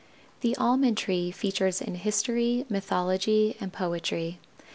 The Almond tree figures in history, mythology and poetry.